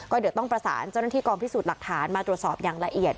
เดี๋ยวต้องประสานเจ้าหน้าที่กองพิสูจน์หลักฐานมาตรวจสอบอย่างละเอียด